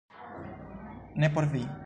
Ne por vi